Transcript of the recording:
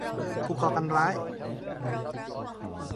ผู้ก่อการร้าย